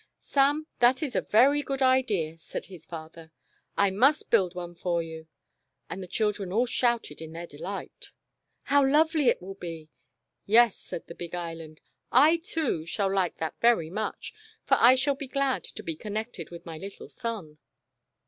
"Sam, that is a very good idea," said his father, " I must build one for you," and the chil dren all shouted in their delight. " How lovely it will be." "Yes," said the big Island, "I, too, shall like that very much, for I shall be glad to be connected with my little son."